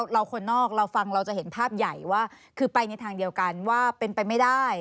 เราคนนอกเราฟังเราจะเห็นภาพใหญ่ว่าคือไปในทางเดียวกันว่าเป็นไปไม่ได้